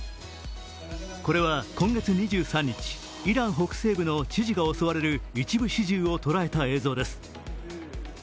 これは今月２３日、イラン北西部の知事が襲われる一部始終を捉えた映像です。